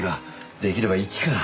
出来れば一から。